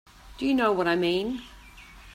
Do you know what I mean?